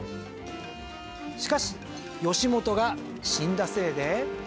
しかし義元が死んだせいで。